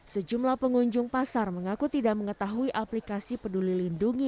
sejumlah pengunjung pasar mengaku tidak mengetahui aplikasi peduli lindungi